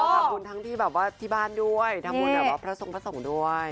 เพราะว่าเราทำบุญทั้งที่บ้านด้วย